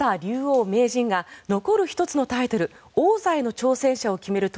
竜王・名人が残る１つのタイトル王座への挑戦者を決める